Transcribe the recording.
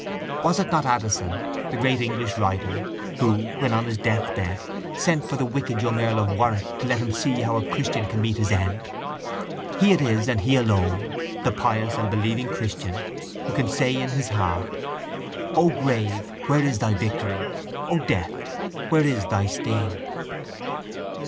Was it not Addison, the great English writer, who, when on his deathbed, sent for the wicked young earl of Warwick to let him see how a christian can meet his end? He it is and he alone, the pious and believing christian, who can say in his heart: O grave, where is thy victory? O death, where is thy sting?